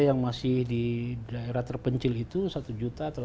yang masih di daerah terpencil itu